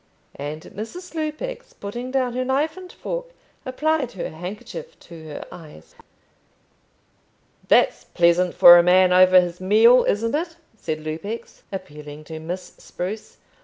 And Mrs. Lupex, putting down her knife and fork, applied her handkerchief to her eyes. "That's pleasant for a man over his meals, isn't it?" said Lupex, appealing to Miss Spruce.